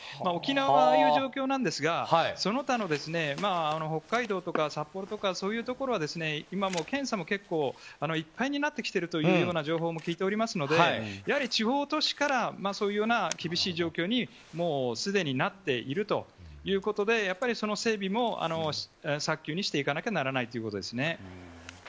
沖縄はああいう状況なんですがその他の北海道では札幌とか、そういうところは今、検査もいっぱいになってきているという情報も聞いておりますのでやはり地方都市からそういうような厳しい状況にすでになっているということで整備も早急にしていかなきゃならないということですね。